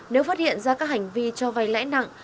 nếu phát hiện ra các hành vi cho vay lãi nặng